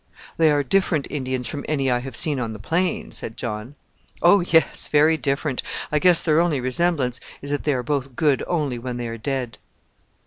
"They are different Indians from any I have seen on the plains," said John. "Oh, yes, very different. I guess their only resemblance is that they are both good only when they are dead."